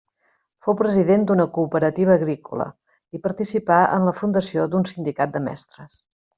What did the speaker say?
Fou president d'una cooperativa agrícola i participà en la fundació d'un sindicat de mestres.